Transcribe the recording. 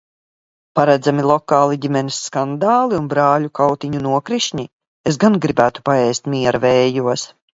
Paredzami lokāli ģimenes skandāli un brāļu kautiņu nokrišņi? Es gan gribētu paēst miera vējos!